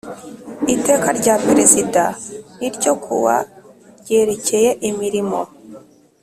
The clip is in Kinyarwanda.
Iteka rya Perezida n ryo ku wa ryerekeye imirimo